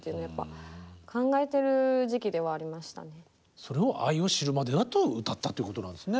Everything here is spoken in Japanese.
それを「愛を知るまでは」と歌ったということなんですね。